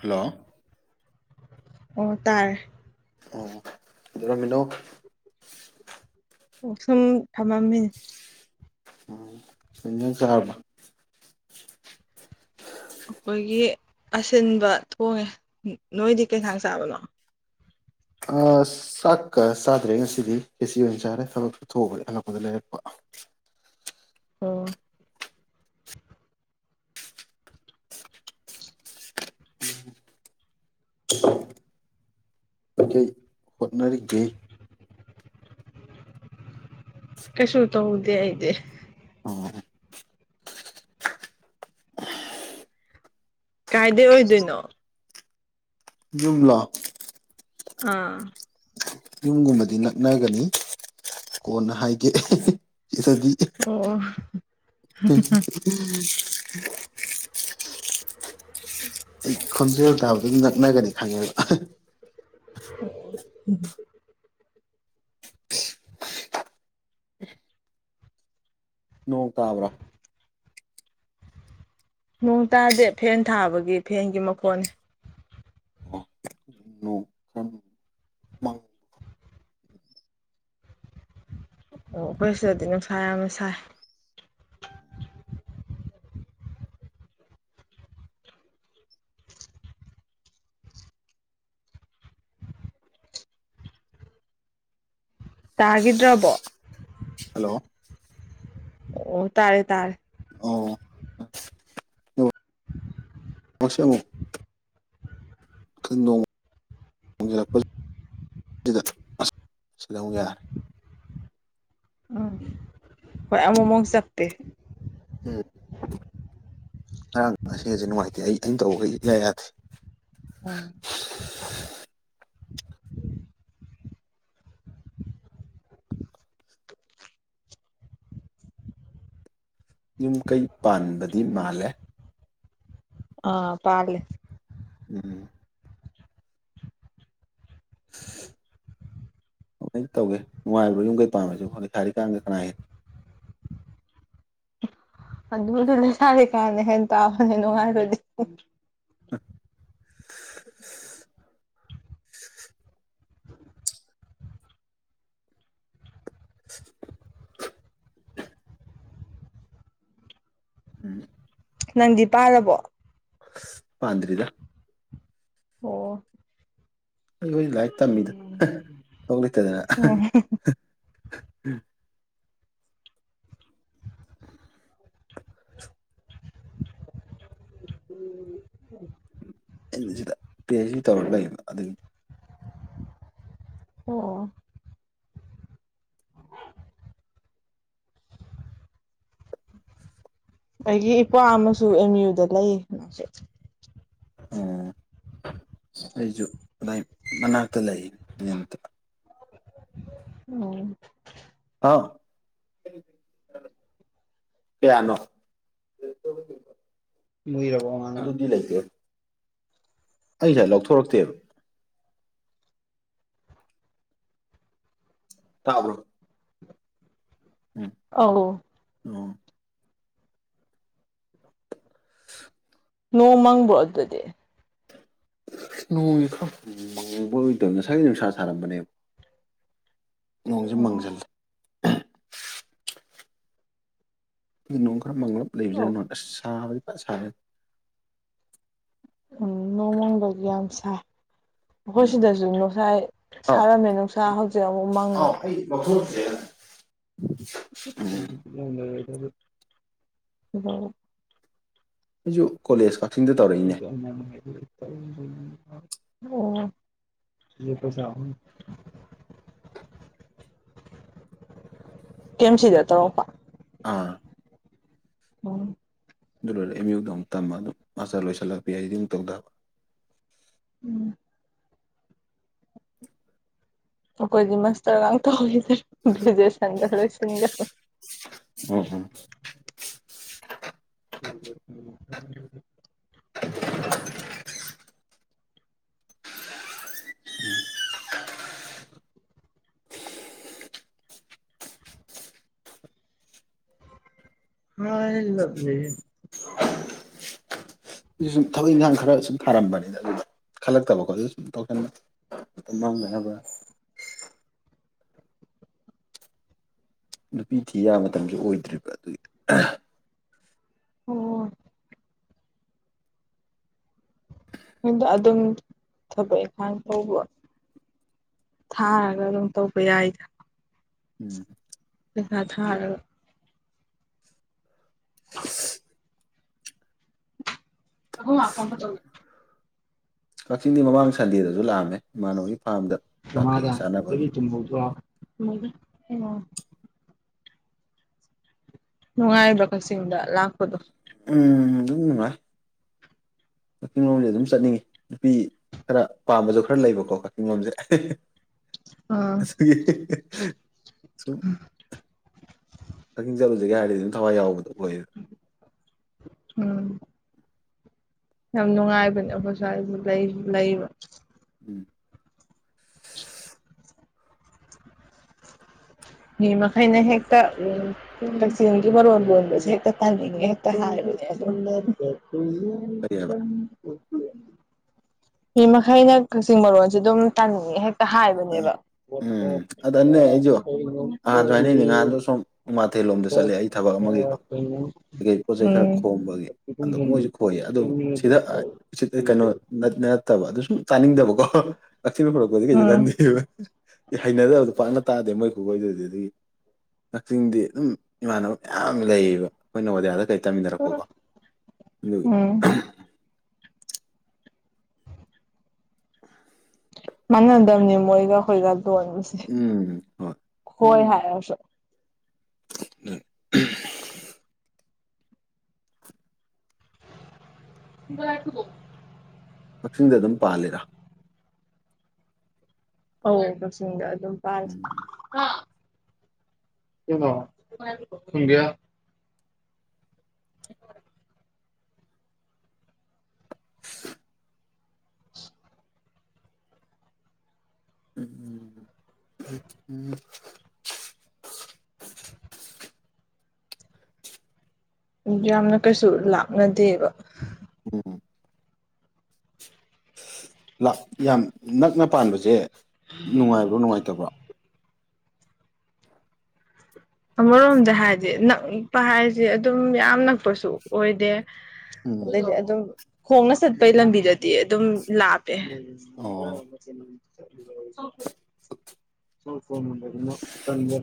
hello ꯎꯝ ꯇꯥꯔ‌ꯦ ꯑꯣ ꯀꯩꯗꯧꯔꯃꯤꯅꯣ ꯁꯨꯝ ꯊꯝꯃꯝꯃꯤ ꯎꯝ ꯅꯪ ꯆꯔꯕ ꯑꯩꯈꯣꯏꯒꯤ ꯑꯁꯤꯟꯕ ꯊꯣꯡꯉꯦ ꯅꯣꯏꯗꯤ ꯀꯩ ꯏꯟꯁꯥꯡ ꯆꯥꯕꯅꯣ ꯑꯁ ꯆꯥꯛꯀ ꯆꯥꯗ꯭ꯔꯦ ꯉꯁꯤꯗꯤ ꯐꯦꯁꯤ ꯑꯣꯏꯅ ꯆꯥꯔꯦ ꯊꯕꯛꯇꯊꯑꯕ ꯍꯜꯂꯛꯄꯗ ꯂꯩꯔꯛꯄ ꯑꯣ [unintelligible] ꯀꯩꯀꯩ ꯍꯣꯠꯅꯔꯤꯒꯦ ꯀꯩꯁꯨ ꯇꯧꯗꯦ ꯑꯩꯗꯦ [unintelligible] ꯀꯥꯏꯗꯩ ꯑꯣꯏꯗꯣꯏꯅꯣ ꯌꯨꯝꯂꯣ ꯑꯥ ꯌꯨꯝꯒꯨꯝꯕꯗꯤ ꯅꯛꯅꯒꯅꯤ ꯀꯣꯟꯅ ꯍꯥꯏꯒꯦ ꯁꯤꯗꯤ ꯑꯣ [unintelligible] [unintelligible] ꯑꯩ ꯈꯣꯟꯖꯦꯜ ꯇꯥꯕꯗꯨꯝ ꯉꯛꯅꯒꯅꯤ ꯈꯪꯉꯦꯕ [unintelligible] ꯅꯣꯡ ꯇꯥꯕ꯭ꯔꯥ ꯅꯣꯡ ꯇꯥꯗꯦ ꯐꯦꯟ ꯊꯥꯕꯒꯤ ꯐꯦꯟꯒꯤ ꯃꯈꯣꯟꯅꯤ ꯑꯣ ꯅꯣꯡ ꯈꯔ ꯃꯪ ꯑꯣ ꯑꯩꯈꯣꯏ ꯁꯤꯗꯗꯤ ꯅꯨꯡꯁꯥ ꯌꯥꯝꯅ ꯁꯥꯏ ꯇꯥꯒꯤꯗ꯭ꯔꯕꯣ ꯍꯜꯂꯣ ꯑꯣ ꯇꯥꯔꯦ ꯇꯥꯔꯦ ꯑꯣ ꯑꯣꯁ ꯑꯃꯨ [unintelligible] [unintelligible] ꯎꯝ ꯍꯣꯏ ꯑꯃꯨꯛꯃꯨꯛ ꯆꯞꯄꯤ ꯉꯔꯥꯡ ꯉꯁꯤꯒꯖꯦ ꯅꯨꯡꯉꯥꯏꯇꯦ ꯑꯩ ꯑꯩꯅ ꯇꯧꯕ ꯒꯩꯖꯦ ꯏꯌꯥ ꯌꯥꯗꯦ [unintelligible] ꯌꯨꯝ ꯀꯩ ꯄꯥꯟꯕꯗꯤ ꯃꯥꯜꯂꯦ ꯑꯥ ꯄꯥꯜꯂꯦ ꯎꯝ ꯀꯃꯥꯏ ꯇꯧꯒꯦ ꯅꯨꯡꯉꯥꯏꯕ꯭ꯔꯣ ꯌꯨꯝ ꯀꯩ ꯄꯥꯟꯕꯥꯁꯤꯕꯨ ꯂꯩꯁꯔꯤ ꯀꯥꯟꯒ ꯀꯅꯅꯥ ꯍ‌ꯦꯟꯒ‌ꯦ ꯑꯗꯨꯗꯤ ꯂꯩꯁꯥꯔꯤꯀꯥꯟꯅ ꯍꯟꯇꯥꯕꯅꯦ ꯅꯨꯡꯉꯥꯏꯕꯗꯤ [unintelligible] [unintelligible] ꯎꯝ ꯅꯪꯗꯤ ꯄꯥꯜꯂꯕꯣ ꯄꯥꯟꯗꯔꯤꯗ ꯑꯣ ꯑꯩꯈꯣꯏꯗꯤ ꯂꯥꯏꯔꯤꯛ ꯇꯝꯃꯤꯗ ꯊꯕꯛ ꯂꯩꯇꯗꯅ ꯎꯝ [inaudible] ꯑꯅꯥ ꯁꯤꯗ ꯄꯤ ꯍꯩꯁ ꯗꯤ ꯇꯧꯔ ꯂꯩꯕ ꯑꯗꯨꯒꯤ ꯑꯣ ꯑꯩꯒꯤ ꯏꯌꯨꯄ꯭ꯋꯥ ꯑꯃꯁꯨ ꯑꯦꯝ ꯌꯨꯗ ꯂꯩ ꯃꯥꯁꯨ ꯑꯣ ꯑꯩꯖꯨ ꯑꯗꯥꯏ ꯃꯅꯥꯛꯇ ꯂꯩ ꯅꯛꯇ [unintelligible] ꯑꫭ ꯍꯥꯎ ꯀꯌꯥꯅꯣ [unintelligible] ꯂꯩꯏ [unintelligible] ꯑꯩ ꯉꯁꯥꯏ ꯂꯧꯊꯣꯔꯛꯇꯦꯕ ꯇꯥꯕ꯭ꯔꯣ [unintelligible] ꯑꯧ ꯑꫭ ꯅꯣꯡ ꯃꯪꯕ꯭ꯔꯣ ꯑꯗꯨꯗꯤ ꯅꯣꯡꯖꯦ ꯈꯔ ꯃꯪꯕꯣꯏ ꯇꯧꯏ ꯉꯁꯥꯏꯒꯩꯗꯨ ꯅꯨꯡꯁꯥ ꯁꯥꯔꯝꯕꯅꯦꯕ ꯅꯣꯡꯖꯤ ꯎꯝ ꯃꯥꯡꯖꯜꯂꯦ ꯑꯩꯗꯤ ꯅꯣꯡ ꯈꯔ ꯃꯪꯂꯞ ꯂꯩꯕꯁꯤꯅ ꯑꯧ ꯅꯨꯉꯥꯏ ꯑꯁ ꯁꯥꯕꯗꯤ ꯐꯖꯅ ꯁꯥꯏꯍ‌ꯦ ꯎꯝ ꯅꯣꯡꯃꯪꯗꯔꯗꯤ ꯌꯥꯝ ꯁꯥꯏ ꯑꯩꯈꯣꯏ ꯎꯝ ꯁꯤꯗꯁꯨ ꯅꯨꯡꯁꯥ ꯑꯥꯎ ꯁꯥꯔꯝꯃꯦ ꯅꯨꯡꯁꯥ ꯍꯧꯖꯤꯛ ꯑꯃꯨꯛ ꯃꯪꯉꯦ [unintelligible] ꯎꯝ [unintelligible] ꯑꯩꯁꯨ ꯀꯣꯂꯦꯖ ꯀꯛꯆꯤꯡꯗ ꯇꯧꯔꯛꯏꯅꯦ ꯎ [unintelligible] ꯑꯣ [unintelligible] ꯀꯦ ꯑ‌ꯦꯝ ꯁꯤꯗ ꯇꯧꯔꯛꯄ ꯑꯥ ꯑꫭ ꯑꯗꯨ ꯂꯣꯏꯔ ꯑꯦꯝ ꯌꯨꯗ ꯑꯃꯨꯛ ꯇꯝꯕ ꯑꯗꯨꯝ ꯃꯥꯁꯇꯔ ꯂꯣꯏꯁꯤꯜꯂ ꯄꯤ ꯍꯩꯁ ꯗꯤ ꯃꯨꯛ ꯇꯧꯗꯕ ꯎꯝ ꯑꯩꯈꯣꯏꯗꯤ ꯃꯁꯇꯔꯒꯇꯣꯛꯈꯤꯗ꯭ꯔꯦ ꯒ꯭ꯔꯦꯖꯨꯁꯟꯗ ꯂꯣꯏꯁꯤꯟꯒ꯭ꯔꯦ ꯎꯝ ꯎꯝ [unintelligible] ꯉꯥꯢꯔꯒ ꯂꯩꯌꯦ ꯑꯩ ꯁꯨꯝ ꯊꯕꯛ ꯏꯟꯒꯥꯡ ꯈꯔ ꯁꯨꯝ ꯊꯥꯔꯝꯕꯅꯤꯗ ꯑꯗꯨꯗ ꯈꯜꯂꯛꯇꯕ ꯈꯣꯠꯄꯗ ꯁꯨꯝ ꯇꯧꯁꯟꯕꯅꯤ ꯃꯇꯥꯝ ꯃꯥꯡꯗꯅꯕ ꯅꯨꯄꯤ ꯊꯤ ꯌꯥ ꯃꯇꯝꯁꯨ ꯑꯣꯏꯗ꯭ꯔꯤꯕ ꯑꯗꯨꯒꯤ ꯑꯣ ꯑꯗꯣ ꯑꯗꯨꯝ ꯊꯕꯛ ꯢꯟꯈꯥꯡ ꯇꯧꯕꯔꯣ ꯊꯥꯔꯒ ꯑꯗꯨꯝ ꯇꯧꯕ ꯌꯥꯏꯗ ꯎꯝ ꯄꯩꯁꯥ ꯊꯔꯒꯥ [unintelligible] ꯍꯂ ꯀꯣꯟ ꯐ ꯆꯂꯦ [inaudible] ꯀꯛꯆꯤꯡꯗꯤ ꯃꯃꯥꯡ ꯁꯟꯗꯦꯗꯁꯨ ꯂꯥꯛꯑꯃꯦ ꯏꯃꯥꯟꯅꯕꯒꯤ ꯐꯥꯔꯝꯗ ꯆꯥꯛ ꯀꯩ ꯃꯃꯥꯗ ꯆꯥꯅꯕꯒꯤ ꯊꯣꯏꯕꯤ ꯇꯨꯝꯍꯧꯗꯔꯣ ꯇꯨꯝꯍꯧꯗꯦ ꯑꯩꯃꯥ ꯅꯨꯡꯉꯥꯏꯕ꯭ꯔꯥ ꯀꯛꯆꯤꯡꯗ ꯂꯥꯛꯄꯗꯣ ꯎꯝ ꯗꯨꯝ ꯅꯨꯡꯉꯥꯏ ꯀꯥꯛꯆꯤꯡꯡꯂꯣꯝꯗꯤ ꯑꯗꯨꯝ ꯆꯠꯅꯤꯡꯉꯤ ꯅꯨꯄꯤ ꯈꯔ ꯄꯥꯝꯕꯖꯨ ꯈꯔ ꯂꯩꯕꯀꯣ ꯀꯛꯆꯤꯡ ꯂꯣꯝꯖꯦ ꯑꯣ ꯑꯩ ꯁꯨꯝ ꯀꯛꯆꯤꯛ ꯆꯠꯂꯨꯁꯤꯒꯦ ꯍꯥꯏꯔꯗꯤ ꯑꯗꯨꯝ ꯊꯋꯥꯏ ꯌꯥꯎꯕꯗꯣ ꯑꯣꯏ ꯎꯝ ꯌꯥꯝ ꯅꯨꯡꯉꯥꯏꯕꯅꯦ ꯑꯩꯈꯣꯏ ꯁ꯭ꯋꯥꯏ ꯂꯩꯕ ꯎꯝ ꯃꯤ ꯃꯈꯩꯅ ꯍꯦꯛꯇ ꯎꯝ ꯀꯥꯛꯆꯤꯛꯒꯤ ꯃꯔꯣꯜ ꯂꯣꯟꯕꯁꯦ ꯍꯦꯛꯇ ꯇꯥꯟꯅꯤꯡꯉꯦ ꯍꯛꯇ ꯍꯥꯕꯅꯦ ꯀꯔꯤꯑꯕ ꯑ [inaudible] ꯐ ꯃꯈꯩꯅ ꯀꯛꯆꯤꯡ ꯃꯔꯣꯟꯁꯦ ꯑꯗꯨꯝ ꯇꯥꯅꯤꯡꯉꯦ ꯍꯥꯢ ꯍꯥꯏꯕꯅꯦꯕ ꯎꯝ ꯑꯗꯅꯦ ꯑꯩꯁꯨ ꯀꯧꯋ [inaudible] ꯎꯃꯥꯊꯦꯜꯂꯣꯝꯗ ꯆꯠꯂꯦ ꯑꯩ ꯊꯕꯛ ꯑꯃꯒꯤꯀꯣ ꯀꯀꯩ ꯄꯣꯠ ꯆꯩꯩ ꯈꯔ ꯎꯝ ꯈꯣꯝꯕꯒꯤ ꯃꯣꯏꯖꯨ ꯈꯣꯏꯌꯦ ꯑꯗꯨ ꯁꯤꯗ ꯑ ꯁꯤꯗ ꯀꯩꯅꯣ ꯅꯠꯇꯕ ꯑꯗꯨ ꯁꯨꯝ ꯇꯥꯅꯤꯡꯗꯕꯀꯣ ꯀꯥꯛꯆꯤꯡꯕ ꯈꯣꯢꯔꯛꯄꯗꯤ ꯀꯩꯁꯨ ꯈꯥꯟꯗꯦ ꯎꯝ ꯍꯩꯅꯗꯕꯗꯣ ꯄꯥꯛꯅ ꯇꯥꯗꯦ ꯃꯣꯏ ꯈꯨꯈꯣꯢꯗꯨꯗꯤ ꯀꯛꯆꯤꯡꯗꯤ ꯑꯗꯨꯝ ꯏꯃꯥꯟꯅꯕ ꯃꯌꯥꯝ ꯂꯩꯌꯦꯕ ꯑꯩꯈꯣꯏꯅ ꯅꯣꯕꯣꯗꯤꯌꯥꯗ ꯀꯩ ꯇꯥꯃꯤꯟꯅꯔꯛꯄꯀꯣ ꯑꯗꯨ ꯎꯝ ꯃꯥꯟꯅꯗꯕꯅꯦ ꯃꯣꯏꯒ ꯑꯈꯣꯏꯒ ꯂꯣꯟꯁꯦ ꯎꯝ ꯍꯣꯏ ꯈꯣꯏ ꯍꯥꯏꯔꯁꯨ ꯑ [inaudible] [inaudible] ꯀꯛꯆꯤꯡꯗ ꯑꯗꯨꯝ ꯄꯥꯜꯂꯤꯔꯥ ꯑꯝ ꯀꯥꯛꯆꯤꯛ ꯗ ꯑꯗꯨꯝ ꯄꯥꯜꯂꯦ ꯎꯝ ꯀ ꯁꯗꯤꯌꯥ [inaudible] [unintelligible] ꯎꯝ ꯎꯝ ꯎꯝ [inaudible] ꯌꯥꯝꯅ ꯀꯩꯁꯨ ꯂꯥꯞꯅꯥꯗꯦꯕ ꯎꯝ ꯌꯥꯝ ꯅꯛꯅ ꯄꯥꯟꯕꯁꯦ ꯅꯨꯡꯉꯥꯏꯕ꯭ꯔꯣ ꯅꯨꯡꯉꯥꯏꯇꯕ꯭ꯔꯣ ꯑꯃꯔꯣꯝꯗ ꯍꯥꯏꯗꯤ ꯅꯛꯄ ꯍꯥꯏꯁꯦ ꯑꯗꯨꯝ ꯌꯥꯝ ꯅꯛꯄꯁꯨ ꯑꯣꯏꯗꯦ ꯎꯝ ꯑꯗꯩꯗꯤ ꯑꯗꯨꯝ ꯈꯣꯡꯅ ꯆꯠꯄꯩ ꯂꯝꯕꯤꯗꯗꯤ ꯑꯗꯨꯝ ꯂꯥꯞ ꯑ ꯑꯣ ꯆꯨꯔꯐꯣꯟ ꯃꯨꯟꯗꯕꯅꯤꯅ ꯇꯟꯖꯦ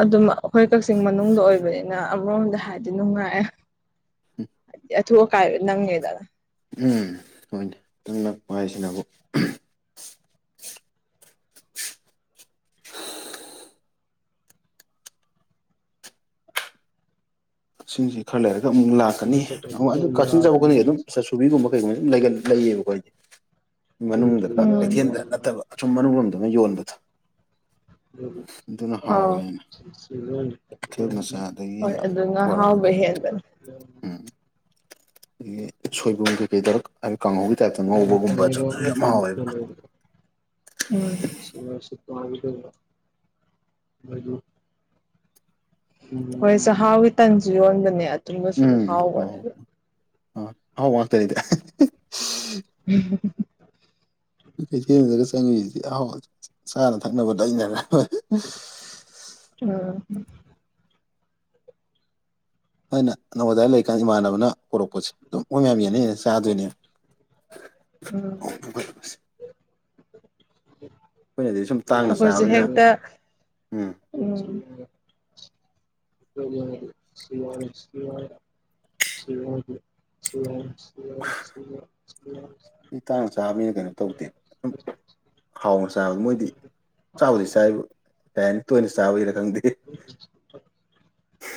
ꯑꯗꯨꯝ - ꯍꯣꯏ ꯀꯛꯆꯤꯡ ꯃꯅꯨꯡꯗ ꯑꯣꯏꯕꯅꯤꯅ ꯑꯃꯔꯣꯝꯗ ꯍꯥꯏꯔꯗꯤ ꯅꯨꯡꯉꯥꯏꯦ ꯍꯥꯏꯗꯤ ꯊꯣ ꯀꯥꯏꯦ ꯅꯪꯅꯦꯦꯗ ꯎ ꯃꯣꯏꯇꯪ ꯅꯛꯄ ꯍꯥꯏꯁꯤꯅꯕꯨ ꯁꯤꯡꯁꯤ ꯈꯔ ꯂꯩꯔꯒ ꯑꯃꯨꯛ ꯂꯥꯛꯀꯅꯤ ꯑꯗꯨ ꯀꯛꯆꯤꯟ ꯆꯥꯎꯕ ꯈꯗꯤ ꯑꯗꯨꯝ ꯆꯥꯁꯨꯕꯤꯒꯨꯝꯕ ꯀꯩꯒꯨꯝꯕ ꯑꯗꯨ ꯂꯩꯌꯦꯕꯈꯣꯏꯗꯤ ꯃꯅꯨꯡꯗꯒ ꯎꯝ ꯀꯩꯊꯦꯜꯗ ꯅꯠꯇꯕ ꯑꯁꯨꯝ ꯃꯅꯨꯡꯣꯝꯗꯅ ꯌꯣꯟꯕꯗ ꯍ ꯀꯩꯊꯦꯜ ꯃꯆꯥ ꯑꯗꯒꯤ ꯍꯣꯏ ꯑꯗꯨ ꯉ ꯕꯣꯔꯥꯒꯨꯝ ꯍꯥꯎꯕꯍꯦꯕꯅꯤ ꯎꯝ ꯁꯣꯏꯕꯨꯡꯨꯡ ꯊ ꯀꯩꯗꯔꯛ ꯍꯥꯏꯗꯤ ꯀꯥꯡꯍꯧꯒꯤ ꯇꯥꯏꯞꯇ ꯉꯧꯕꯒꯨꯝꯕꯁꯨ ꯑꯗꯨ ꯌꯥꯝ ꯍꯥꯎꯋꯦꯕ ꯎꯝ ꯁꯁꯤꯄꯒ ꯍꯣꯏꯁ ꯍꯥꯎ ꯏ ꯇꯪꯁꯤ ꯌꯣꯟꯟꯗꯅꯦ ꯎꯝ ꯍ ꯍꯥꯎ ꯋꯥꯇꯔꯗꯦ ꯎꯝ ꯀꯩꯊꯦꯜꯗ ꯆꯪꯉꯤꯁꯤ ꯑꯍꯥꯎ ꯆꯥꯅ ꯊꯛꯅꯕꯗꯩꯅꯔꯣꯏ [unintelligible] ꯍꯣꯏꯅ ꯅꯪꯧ ꯑꯋꯥꯏ ꯂꯩꯔꯤꯀꯥꯟꯗ ꯏꯃꯥꯟꯅꯕꯅ ꯀꯔꯛꯄꯁꯦ ꯑꯗꯨꯝ ꯃꯣꯏ ꯃꯌꯥꯝ ꯌꯦꯅꯩ ꯆꯥꯗꯣꯏꯅꯦ ꯑꯩꯈꯣꯏꯅꯗꯤ ꯁꯨꯝ ꯎꯝ ꯇꯥꯡꯅ ꯑꯩꯈꯣꯏꯁꯨ ꯆꯥꯕꯅꯤꯅ ꯍꯦꯛꯇ ꯎꯝ ꯎꯝ ꯐꯦ ꯁꯤꯋꯥꯅꯤ ꯁꯤꯋꯥ ꯁꯤ ꯁꯤ ꯁꯤ ꯁꯤ ꯃꯤ ꯇꯥꯡꯅ ꯆꯥꯕꯅꯤꯅ ꯀꯩꯅꯣ ꯇꯧꯗꯦ ꯁꯨꯝ ꯍꯥꯎꯅ ꯆꯥꯕ ꯃꯣꯏꯗꯤ ꯆꯥꯕꯗꯤ ꯆꯥꯏꯕ ꯀꯩ ꯍꯥꯏꯅꯤ ꯇꯣꯏꯅ ꯆꯥꯕꯒꯤꯔ ꯈꯪꯗꯦ [inaudible]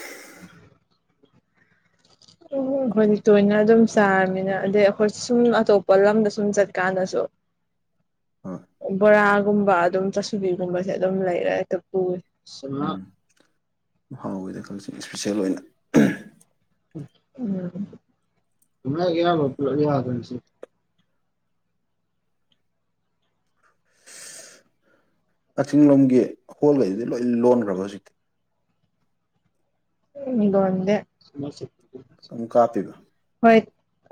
ꯎꯝ ꯑꯩꯈꯣꯏꯗꯤ ꯇꯣꯏꯅ ꯑꯗꯨꯝ ꯆꯥꯔꯕꯃꯤꯅ ꯑꯗꯩ ꯑꯩꯈꯣꯏ ꯁꯨꯝ ꯑꯇꯣꯞꯄ ꯂꯝꯗ ꯁꯨꯝ ꯆꯠꯀꯥꯟꯗꯁꯨ [inaudible] ꯕꯣꯔꯥꯒꯨꯝꯕ ꯑꯗꯨꯝ ꯆꯥꯁꯨꯕꯤꯒꯨꯝꯕꯖꯦ ꯑꯗꯨꯝ ꯂꯩꯔꯥ ꯍꯦꯛꯇ ꯄꯨꯕꯅꯦ ꯃꯍꯥꯎꯒꯤꯗ ꯈꯜꯁꯤꯡ ꯏꯁꯄꯤꯁꯦꯜ ꯑꯣꯏꯅ ꯎꯝ [unintelligible] ꯀꯛꯆꯤꯡꯂꯣꯝꯒꯤ ꯍꯣꯜꯈꯩꯁꯤꯗꯤ ꯂꯣꯏ ꯂꯣꯟꯈ꯭ꯔꯕ ꯍꯧꯖꯤꯛꯇꯤ ꯂꯣꯟꯗꯦ ꯑꯗꯨꯝ ꯀꯥꯞꯄꯤꯕ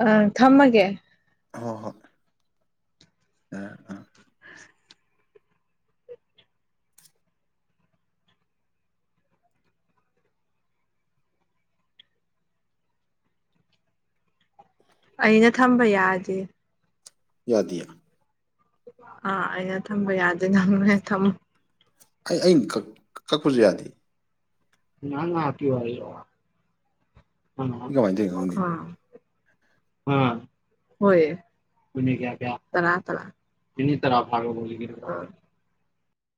ꯑꯪ ꯊꯝꯃꯒꯦ ꯍꯣꯏ ꯍꯣꯏ ꯑ ꯑ [unintelligible] ꯑꯩꯅ ꯊꯝꯕ ꯌꯥꯗꯦ ꯌꯥꯗꯌꯥ ꯑꯥ ꯑꯩꯅ ꯊꯝꯕ ꯌꯥꯗꯦ ꯉꯝꯃꯣꯏꯅꯦ ꯊꯝꯃ ꯑꯩꯅ ꯀꯛ ꯀꯛꯄꯖꯨ ꯌꯥꯗꯦ ꯉꯇꯤ ꯋꯥꯏ ꯋꯥ ꯀꯃꯥꯏꯅ ꯇꯧꯔꯤꯅꯣ ꯈꯪꯗꯦ ꯑꯝ ꯍꯌꯦ ꯀ ꯀꯌꯥ ꯀꯌꯥ ꯇꯔ ꯇꯔ ꯀꯅꯤ ꯇꯔ ꯐꯣꯒ